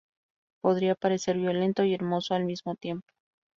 Podría parecer violento y hermoso al mismo tiempo.